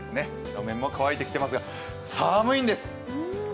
路面も乾いてきていますが寒いんです。